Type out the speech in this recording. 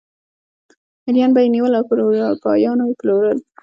مریان به یې نیول او پر اروپایانو پلورل.